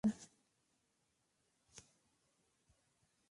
Diario católico, apostólico, romano.